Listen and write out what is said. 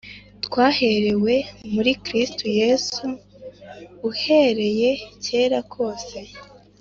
Twaherewe muri kristo yesu uhereye kera kose